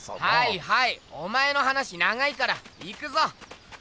はいはいお前の話長いから行くぞ！